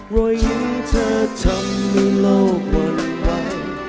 รวยหนึ่งเธอทำหนุ่มโลกวนไหว